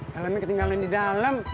helmnya ketinggalan di dalam